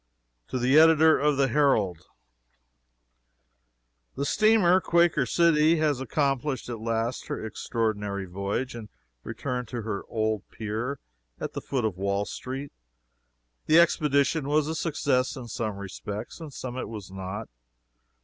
TO THE EDITOR OF THE HERALD: The steamer __Quaker City__ has accomplished at last her extraordinary voyage and returned to her old pier at the foot of Wall street. The expedition was a success in some respects, in some it was not.